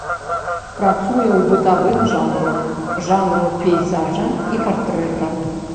Працуе ў бытавым жанру, жанру пейзажа і партрэта.